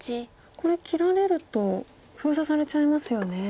これ切られると封鎖されちゃいますよね。